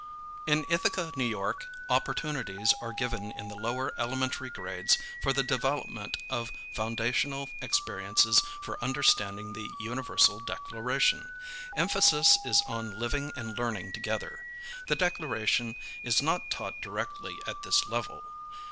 12 HOW CHILDREN LEARN ABOUT HUMAN RIGHTS In Ithaca. N. Y., opportunities are given in the lower elementary grades for the development of foundational experiences for understanding the Universal Declaration. Kmphasis is on living and learning together. The Declaration is not taught directly at this level.